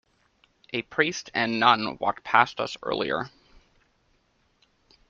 A priest and nun walked past us earlier.